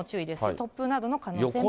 突風などの可能性もあります。